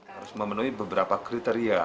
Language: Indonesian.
harus memenuhi beberapa kriteria